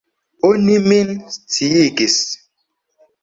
Oni min sciigis.